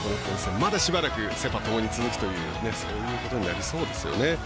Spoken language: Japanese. まだしばらくセ・パともに続くということになりそうですね。